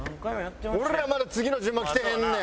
俺らまだ次の順番きてへんねん。